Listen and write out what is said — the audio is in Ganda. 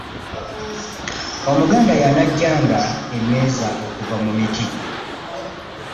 omuganda yanajanga nga emeeza okuva mu miti